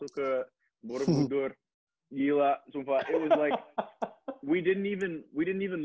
itu penghubungannya kamar kemuang atau berbel gimana ya drumein